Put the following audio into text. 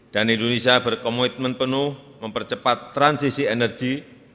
dan indonesia berkomitmen penuh mempercepat transisi energi